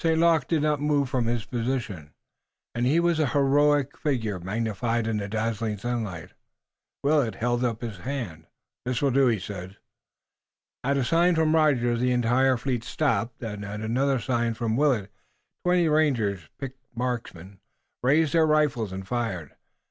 Luc did not move from his position, and he was a heroic figure magnified in the dazzling sunlight. Willet held up his hand. "This will do," he said. At a sign from Rogers the entire fleet stopped, and, at another sign from Willet, twenty rangers, picked marksmen, raised their rifles and fired.